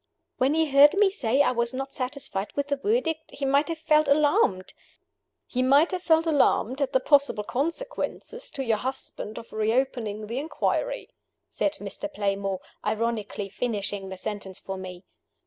"When he heard me say I was not satisfied with the Verdict, he might have felt alarmed " "He might have felt alarmed at the possible consequences to your husband of reopening the inquiry," said Mr. Playmore, ironically finishing the sentence for me.